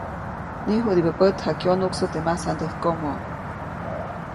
Niʼjudibä pät jakyonuʼksä teʼ masandäjkomo.